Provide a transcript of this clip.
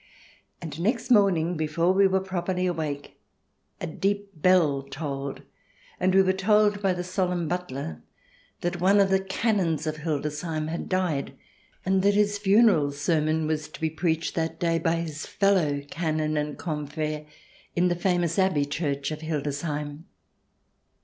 And next morning, before we were properly awake, a deep bell tolled, and we were told by the solemn butler that one of the canons of Hildesheim had died and that his funeral sermon was to be preached that day by his fellow Canon and confrere in the famous abbey church of Hildesheim.